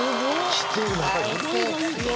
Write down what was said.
来てるわ